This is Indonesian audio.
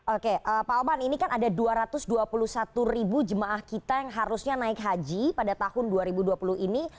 oke pak oman ini kan ada dua ratus dua puluh satu ribu jemaah kita yang harusnya naik haji pada tahun dua ribu dua puluh ini